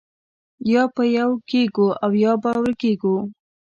یا به یو کېږو او یا به ورکېږو